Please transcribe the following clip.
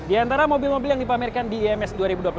diantara mobil mobil yang dipamerkan di iems dua ribu dua puluh tiga